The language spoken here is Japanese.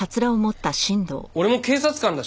俺も警察官だし